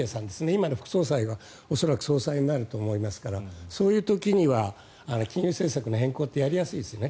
今の副総裁が恐らく総裁になると思いますからそういう時には金融政策の変更ってやりやすいですよね